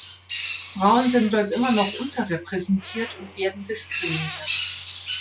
Frauen sind dort immer noch unterrepräsentiert und werden diskriminiert.